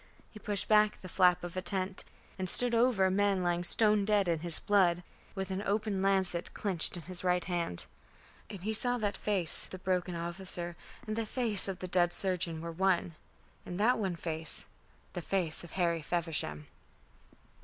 He pushed back the flap of a tent and stooped over a man lying stone dead in his blood, with an open lancet clinched in his right hand. And he saw that the face of the broken officer and the face of the dead surgeon were one and that one face, the face of Harry Feversham.